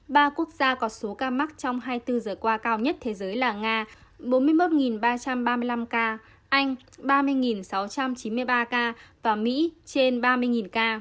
ba quốc gia có số ca mắc trong hai mươi bốn giờ qua cao nhất thế giới là nga bốn mươi một ba trăm ba mươi năm ca anh ba mươi sáu trăm chín mươi ba ca và mỹ trên ba mươi ca